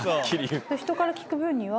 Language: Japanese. ひとから聞く分には。